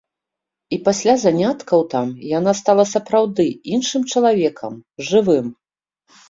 І пасля заняткаў там яна стала сапраўды іншым чалавекам, жывым.